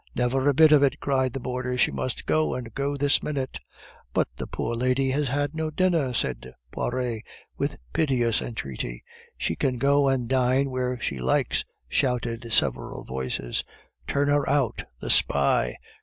"Never a bit of it!" cried the boarders. "She must go, and go this minute!" "But the poor lady has had no dinner," said Poiret, with piteous entreaty. "She can go and dine where she likes," shouted several voices. "Turn her out, the spy!"